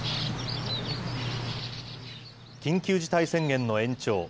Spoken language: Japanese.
緊急事態宣言の延長。